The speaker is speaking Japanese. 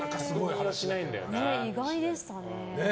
意外でしたね。